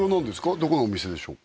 どこのお店でしょうか？